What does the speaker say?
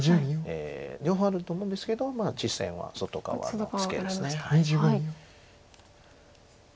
両方あると思うんですけど実戦は外側のツケです。